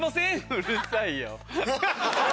うるさいよ。